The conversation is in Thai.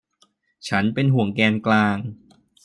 ฉันเป็นห่วงแกนกลาง